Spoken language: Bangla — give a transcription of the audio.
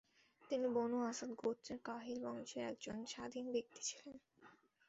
তিনি বনু আসাদ গোত্রের কাহিল বংশের একজন স্বাধীন ব্যক্তি ছিলেন।